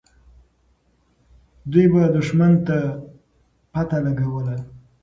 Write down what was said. دوی به دښمن ته پته لګوله.